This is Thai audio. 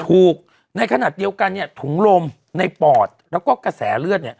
ถูกในขณะเดียวกันถุงลมในปอดแล้วก็กระแสเลือด